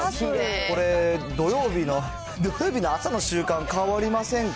これ、土曜日の、土曜日の朝の習慣、変わりませんか？